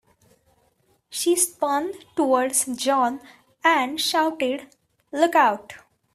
She spun towards John and shouted, "Look Out!"